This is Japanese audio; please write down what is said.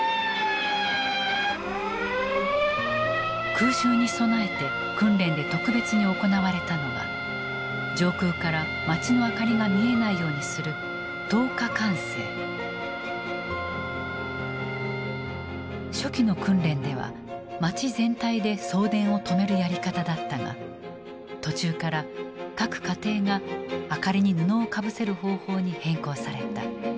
空襲に備えて訓練で特別に行われたのが上空から街の明かりが見えないようにする初期の訓練では街全体で送電を止めるやり方だったが途中から各家庭が明かりに布をかぶせる方法に変更された。